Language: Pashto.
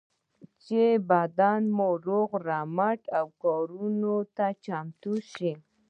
چې بدن مو روغ رمټ او کارونو ته چمتو شي.